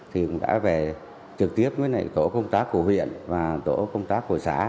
thì cũng đã về trực tiếp với tổ công tác của huyện và tổ công tác của xã